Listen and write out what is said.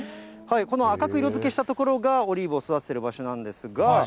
この赤く色づけした所がオリーブを育ててる場所なんですが。